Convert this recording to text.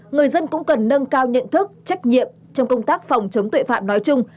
người dân cũng cần nâng cao nhận thức trách nhiệm trong công tác phòng chống tội phạm nói chung